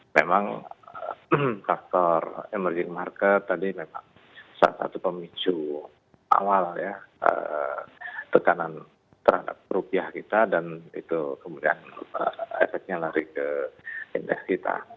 memang faktor emerging market tadi memang salah satu pemicu awal ya tekanan terhadap rupiah kita dan itu kemudian efeknya lari ke indeks kita